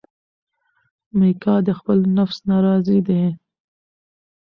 میکا د خپل نفس نه راضي دی.